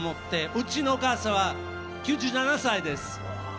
うちのお母さんは９７歳です。